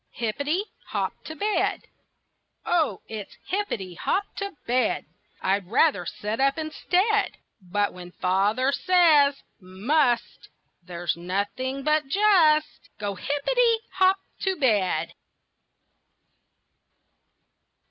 HIPPITY HOP TO BED O it's hippity hop to bed! I'd rather sit up instead. But when father says "must," There's nothing but just Go hippity hop to bed.